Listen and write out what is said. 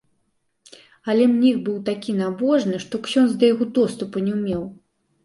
Але мніх быў такі набожны, што ксёндз да яго доступу не меў.